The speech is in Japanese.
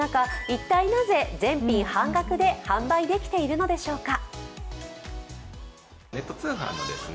一体なぜ全品半額で販売できているのでしょうか。